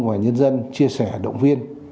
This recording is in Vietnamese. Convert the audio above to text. và nhân dân chia sẻ động viên